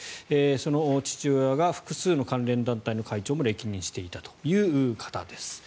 その父親が複数の関連団体の会長も歴任されていたという方です。